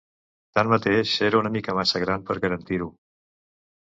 Tanmateix, era una mica massa gran per garantir-ho.